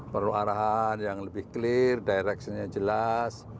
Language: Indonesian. perlu arahan yang lebih clear direction nya jelas